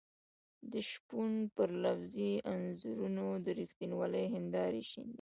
د شپون پر لفظي انځورونو د رښتینولۍ هېندارې شيندي.